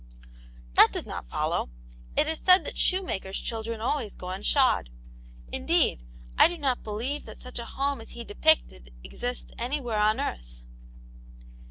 "That does not follow. It is said that shoe makers' children always go unshod. Indeed, I do not believe that such a home as he depicted exists anywhere on earth."